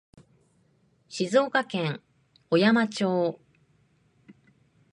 静岡県小山町